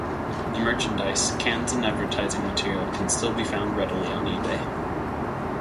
The merchandise, cans and advertising material can still be found readily on eBay.